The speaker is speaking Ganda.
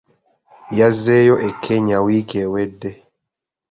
Yazzeeyo e Kenya wiiki ewedde.